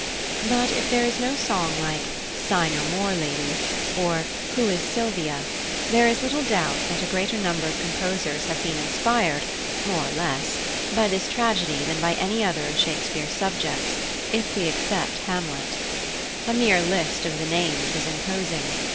But if there is no song like "Sigh no more, ladies," or "Who is Sylvia?", there is little doubt that a greater number of composers have been inspired (more or less) by this tragedy than by any other of Shakespeare's subjects if we except Hamlet. A mere list of the names is imposing.